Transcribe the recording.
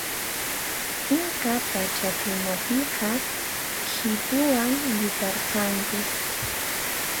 Inca pachakunapiqa khipuwan yuparqanku.